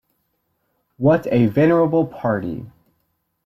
What a venerable party!